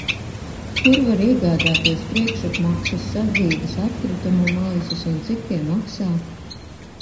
Kur var iegādāties priekšapmaksas sadzīves atkritumu maisus un cik tie maksā?